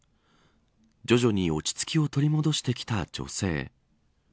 徐々に落ち着きを取り戻してきた女性。